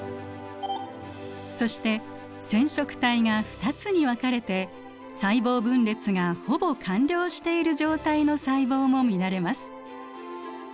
そして染色体が２つに分かれて細胞分裂がほぼ完了している状態の細胞も見られます。